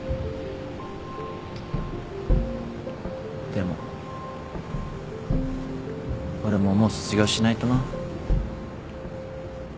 でも俺ももう卒業しないとな。